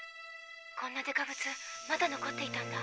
こんなでかぶつまだ残っていたんだ。